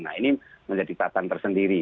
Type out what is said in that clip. nah ini menjadi tatan tersendiri